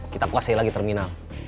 kita kuasai lagi terminal